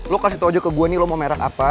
lo kasih tau aja ke gue ini lo mau merek apa